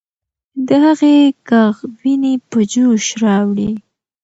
د هغې ږغ ويني په جوش راوړي.